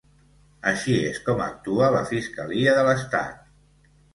Així és com actua la fiscalia de l’estat.